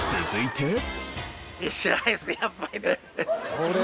続いて。